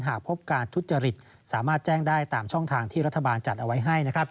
หากพบการทุจริตสามารถแจ้งได้ตามช่องทางที่รัฐบาลจัดเอาไว้ให้